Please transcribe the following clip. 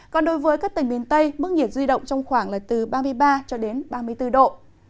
còn đối với các tỉnh miền tây mức nhiệt duy động trong khoảng là từ ba mươi ba ba mươi bốn độ